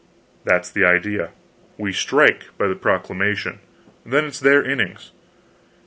"That is the idea. We strike by the Proclamation then it's their innings.